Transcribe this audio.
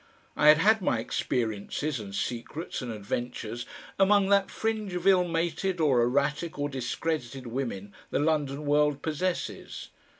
I had had my experiences and secrets and adventures among that fringe of ill mated or erratic or discredited women the London world possesses.